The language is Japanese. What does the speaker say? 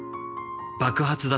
「爆発だッ！